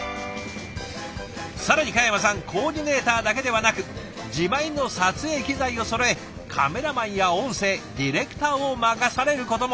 更に嘉山さんコーディネーターだけではなく自前の撮影機材をそろえカメラマンや音声ディレクターを任されることも。